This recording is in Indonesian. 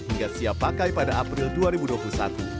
hingga siap pakai pada april dua ribu dua puluh satu